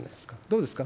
どうですか。